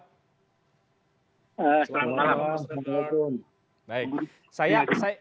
selamat malam assalamualaikum